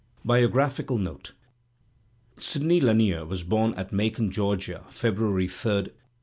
BIOGRAPHICAL NOTE Sidney Lanier was born at Macon, Georgia, Pebruaiy 3, 1842.